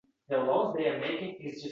U razil fasldan o‘girgancha yuz